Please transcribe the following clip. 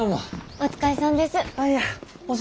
お疲れさんです。